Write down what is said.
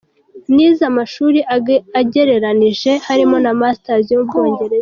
Nize amashura agereranije harimo na masters yo mu bwongereza.